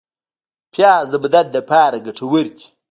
پیاز د بدن لپاره ګټور دی